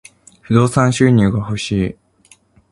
不動産収入が欲しい。